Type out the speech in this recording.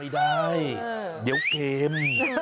ไม่ได้เดี๋ยวเค็ม